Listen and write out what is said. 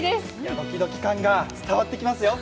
ドキドキ感が伝わってきますよ。